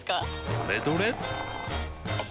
どれどれっ！